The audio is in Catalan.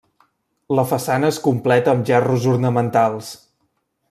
La façana es completa amb gerros ornamentals.